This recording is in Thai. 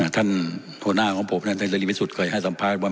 ท่านหัวหน้าของผมท่านเสรีพิสุทธิเคยให้สัมภาษณ์ว่า